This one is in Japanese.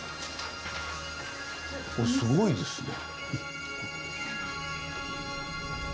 おっすごいですね。